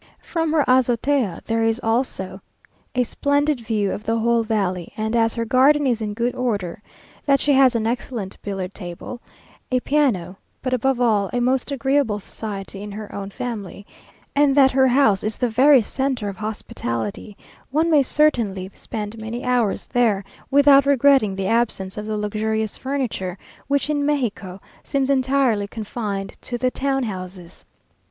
From her azotea there is also a splendid view of the whole valley; and as her garden is in good order, that she has an excellent billiard table, a piano, but above all, a most agreeable society in her own family, and that her house is the very centre of hospitality, one may certainly spend many pleasant hours there, without regretting the absence of the luxurious furniture, which, in Mexico, seems entirely confined to the town houses.